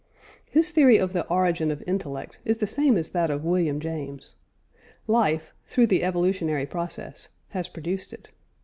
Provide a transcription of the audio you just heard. His theory of the origin of intellect is the same as that of William James. Life (through the evolutionary process) has produced it.